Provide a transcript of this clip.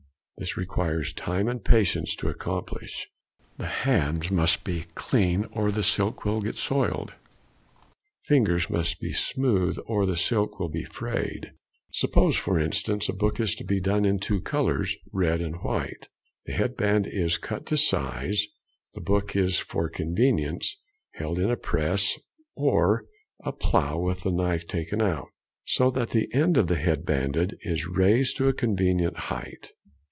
This requires time and patience to accomplish. The hands must be clean or the silk will get soiled; fingers must be smooth or the silk will be frayed. [Illustration: Head banding.] Suppose, for instance, a book is to be done in two colours, red and white. The head band is cut to size, the |85| book is, for convenience, held in a press, or a plough with the knife taken out, so that the end to be head banded is raised to a convenient height.